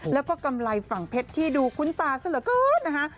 แล้วก็กำไรฝั่งเพชรที่ดูคุ้นตาซะเหลือเกินนะคะ